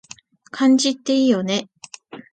漢字っていいよね